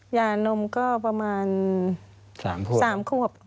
ยานมก็ประมาณ๓ขวบ